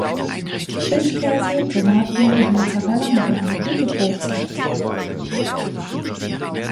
Frischkäse, Tomaten und Mozzarella machen eine gute Brotzeit.